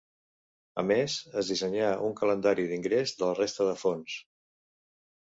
A més, es dissenyarà un calendari d’ingrés de la resta de fons.